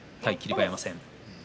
馬山戦。